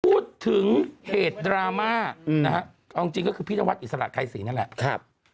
พูดถึงเหตุดราม่านะฮะเอาจริงก็คือพี่นวัดอิสระไกรศรีนั่นแหละ